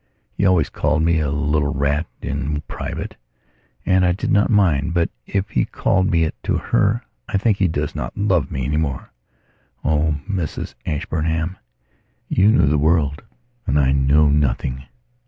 He always called me a little rat in private, and I did not mind. But, if he called me it to her, I think he does not love me any more. Oh, Mrs Ashburnham, you knew the world and I knew nothing.